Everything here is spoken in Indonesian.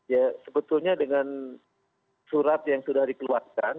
ya sebetulnya dengan surat yang sudah dikeluarkan